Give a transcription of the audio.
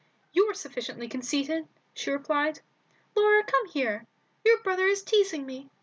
"You're sufficiently conceited," she replied. "Laura, come here; your brother is teasing me."